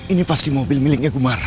ini pasti mobil miliknya gumara